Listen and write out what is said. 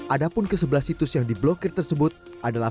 ada pun ke sebelas situs yang diblokir tersebut adalah